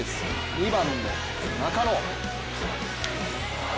２番の中野。